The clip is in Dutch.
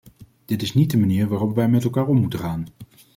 Dit is niet de manier waarop wij met elkaar moeten omgaan.